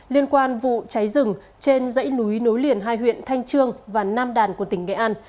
liên quan vụ cháy rừng trên dãy núi nối liền hai huyện thanh trương và nam đàn của tỉnh nghệ an